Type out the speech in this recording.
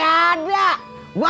gila sekarang gak ada